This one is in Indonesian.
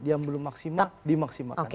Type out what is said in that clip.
yang belum maksimal dimaksimalkan